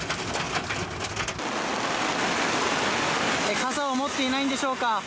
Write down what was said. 傘を持っていないのでしょうか。